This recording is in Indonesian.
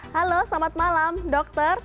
halo selamat malam dokter